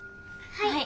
はい。